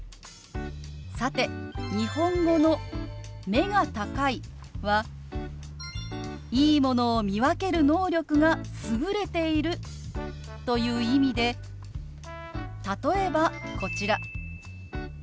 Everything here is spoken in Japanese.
さて日本語の「目が高い」は「いいものを見分ける能力が優れている」という意味で例えばこちら。